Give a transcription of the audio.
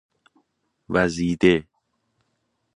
وزیده